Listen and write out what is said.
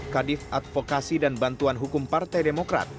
kadif advokasi dan bantuan hukum partai demokrat